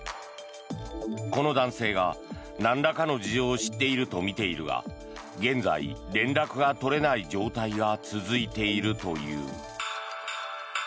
この男性がなんらかの事情を知っているとみているが現在、連絡が取れない状態が続いているという。